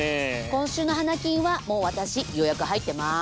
今週の花金はもう私予約入ってます。